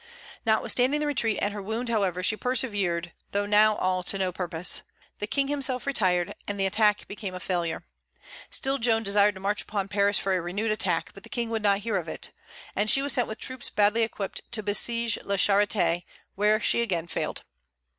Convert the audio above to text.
Notwithstanding the retreat and her wound, however, she persevered, though now all to no purpose. The King himself retired, and the attack became a failure. Still Joan desired to march upon Paris for a renewed attack; but the King would not hear of it, and she was sent with troops badly equipped to besiege La Charité, where she again failed.